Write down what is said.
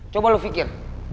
coba lu fikir